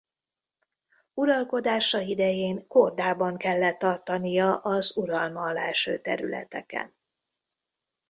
Uralkodása idején kordában kellett tartania az uralma alá eső területeken.